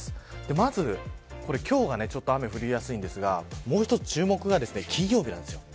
まず今日が雨降りやすいんですがもう一つ注目が金曜日なんです。